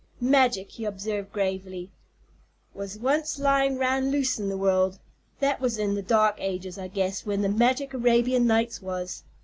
"Magic," he observed gravely, "was once lyin' 'round loose in the world. That was in the Dark Ages, I guess, when the magic Arabian Nights was.